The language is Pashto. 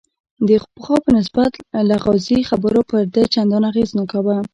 د پخوا په نسبت لغازي خبرو پر ده چندان اغېز نه کاوه.